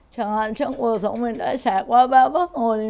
chẳng hạn trong cuộc sống mình đã trải qua ba bước hồi